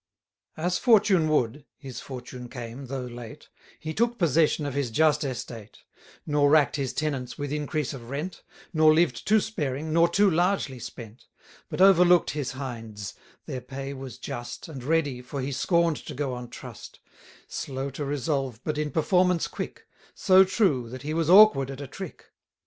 As fortune would (his fortune came, though late) He took possession of his just estate: Nor rack'd his tenants with increase of rent; Nor lived too sparing, nor too largely spent; But overlook'd his hinds; their pay was just, 920 And ready, for he scorn'd to go on trust: Slow to resolve, but in performance quick; So true, that he was awkward at a trick.